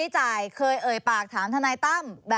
ใช้คำนี้